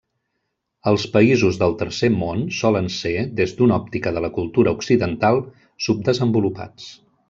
Els països del tercer món, solen ser, des d'una òptica de la cultura occidental, subdesenvolupats.